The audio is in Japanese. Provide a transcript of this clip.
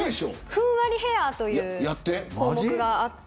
ふんわりヘアという項目があって。